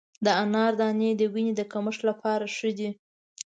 د انار دانې د وینې د کمښت لپاره ښه دي.